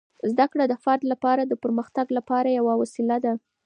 زده کړه د فرد لپاره د پرمختګ لپاره یوه وسیله ده.